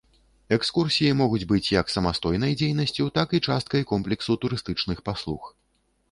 Экскурсіі могуць быць як самастойнай дзейнасцю, так і часткай комплексу турыстычных паслуг.